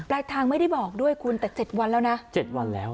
ทางไม่ได้บอกด้วยคุณแต่๗วันแล้วนะ๗วันแล้ว